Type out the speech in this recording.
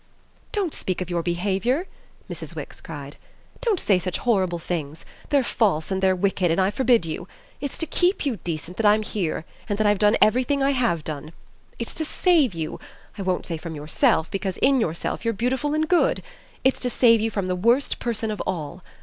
"Don't speak of your behaviour!" Mrs. Wix cried. "Don't say such horrible things; they're false and they're wicked and I forbid you! It's to KEEP you decent that I'm here and that I've done everything I have done. It's to save you I won't say from yourself, because in yourself you're beautiful and good! It's to save you from the worst person of all.